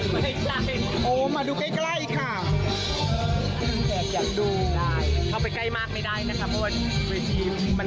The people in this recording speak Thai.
ไม่ใช่โอ้มาดูใกล้ใกล้ค่ะแขกอยากดูได้